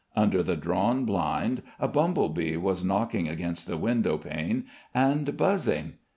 Under the drawn blind a bumble bee was knocking against the window pane and buzzing.